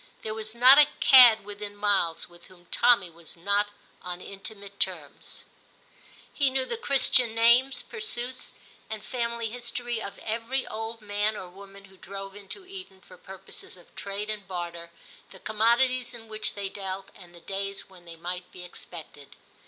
There was not a *cad' within miles with whom Tommy was not on intimate terms ; he knew the Christian names, pursuits, and family history of every old man or woman who drove into Eton for purposes of trade and barter, the commodities in which they dealt, and the days when they might be expected.